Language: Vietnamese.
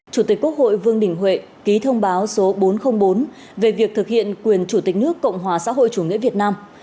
chủ tịch quốc hội vương đình huệ ký thông báo số bốn trăm linh bốn về việc thực hiện quyền chủ tịch nước cộng hòa xã hội chủ nghĩa việt nam